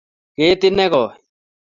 Ketit negoi.